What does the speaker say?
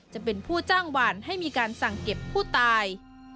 จะเป็นผู้จ้างหวานให้มีการสั่งเก็บผู้ตาย